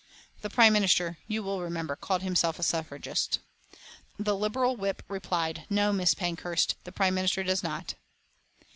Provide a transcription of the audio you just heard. The Prime Minister, you will remember, called himself a suffragist. The Liberal whip replied, "No, Mrs. Pankhurst, the Prime Minister does not."